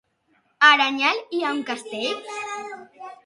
A Aranyel hi ha un castell?